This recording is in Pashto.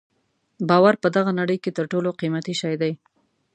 باور په دغه نړۍ کې تر ټولو قیمتي شی دی.